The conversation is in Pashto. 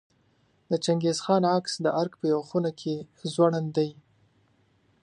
د چنګیز خان عکس د ارګ په یوه خونه کې ځوړند دی.